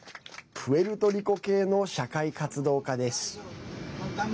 プエルトリコ系の社会活動家です。